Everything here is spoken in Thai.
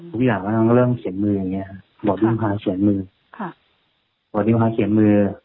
ทุกอย่างมันก็เริ่มเขียนมืออย่างนี้บ่อนิพาเขียนมือบ่อนิพาเขียนมือ